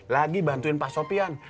lagi bantuin pak sopian